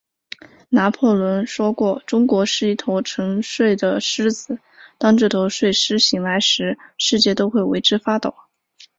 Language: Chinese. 拿破仑说过，中国是一头沉睡的狮子，当这头睡狮醒来时，世界都会为之发抖。